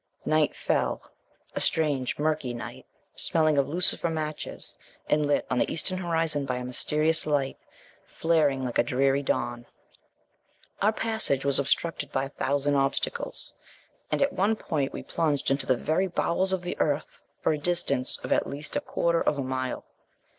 Night fell: a strange, murky night, smelling of lucifer matches, and lit on the eastern horizon by a mysterious light, flaring like a dreary dawn. Our passage was obstructed by a thousand obstacles, and at one point we plunged into the very bowels of the earth for a distance of at least a quarter of a mile.